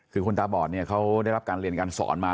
คือคนตาบอดเนี่ยเขาได้รับการเรียนการสอนมา